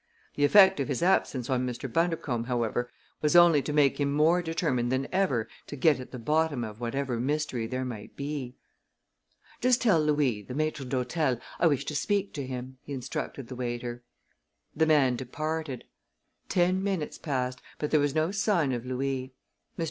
The effect of his absence on Mr. Bundercombe, however, was only to make him more determined than ever to get at the bottom of whatever mystery there might be. "Just tell Louis, the maître d'hôtel, I wish to speak to him," he instructed the waiter. The man departed. Ten minutes passed, but there was no sign of Louis. Mr.